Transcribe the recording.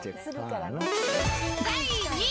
第２位。